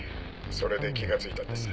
それで気が付いたんです。